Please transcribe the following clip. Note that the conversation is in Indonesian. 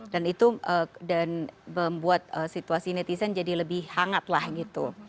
dan itu dan membuat situasi netizen jadi lebih hangat lah gitu